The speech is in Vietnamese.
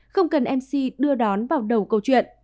không cần mc đưa đón vào đầu câu chuyện